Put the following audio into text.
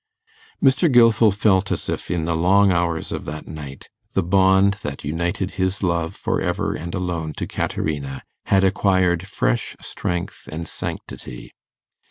Mr. Gilfil felt as if in the long hours of that night the bond that united his love for ever and alone to Caterina had acquired fresh strength and sanctity.